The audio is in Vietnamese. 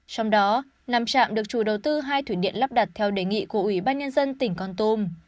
trong đó năm trạm được chủ đầu tư hai thủy điện lắp đặt theo đề nghị của ủy ban nhân dân tỉnh con tum